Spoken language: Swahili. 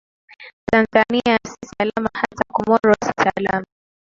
tanzania si salama hata comoro si salama